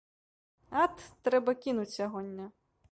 Ат, трэба кінуць сягоння.